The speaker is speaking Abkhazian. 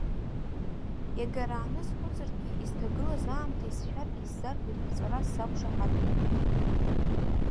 Иагарааны схәыцыргьы, изҭагылаз аамҭа исшәаргьы иззаргьы, рыхҵәара сзақәшаҳаҭхом.